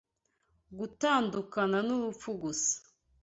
Gutandukana nurupfu gusa